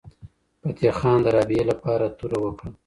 فتح خان د رابعې لپاره توره وکړه.